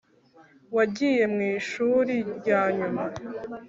wagiye mwishuri ryanyuma